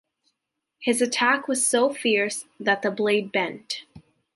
His attack was so fierce that the blade bent.